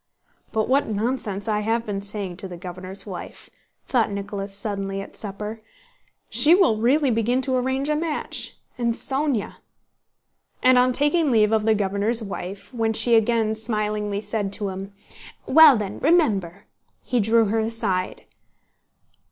"But what nonsense I have been saying to the governor's wife!" thought Nicholas suddenly at supper. "She will really begin to arrange a match... and Sónya...?" And on taking leave of the governor's wife, when she again smilingly said to him, "Well then, remember!" he drew her aside.